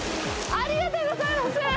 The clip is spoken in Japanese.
ありがとうございます。